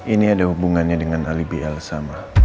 ini ada hubungannya dengan alibi elsa sama